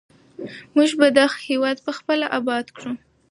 موږ به دا هېواد پخپله اباد کړو.